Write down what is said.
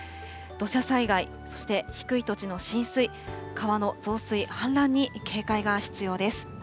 土砂災害、そして低い土地の浸水、川の増水、氾濫に警戒が必要です。